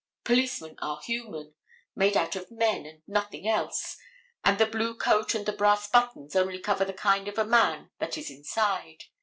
Policemen are human, made out of men, and nothing else, and the blue coat and the brass buttons only cover the kind of a man that is inside.